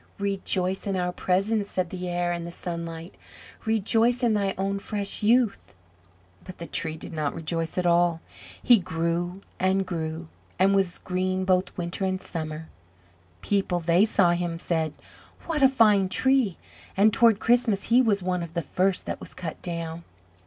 "Rejoice in our presence!" said the Air and the Sunlight; "rejoice in thy own fresh youth!" But the Tree did not rejoice at all; he grew and grew, and was green both winter and summer. People that saw him said, "What a fine tree!" and toward Christmas he was one of the first that was cut down.